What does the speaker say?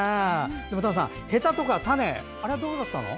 でも丹さん、へたとか種あれはどうだったの？